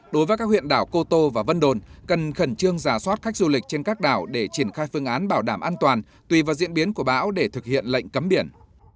đối với các huyện đảo cô tô và vân đồn cần khẩn trương giả soát khách du lịch trên các đảo để triển khai phương án bảo đảm an toàn tùy vào diễn biến của bão để thực hiện lệnh cấm biển